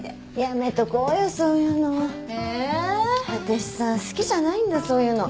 私さ好きじゃないんだそういうの。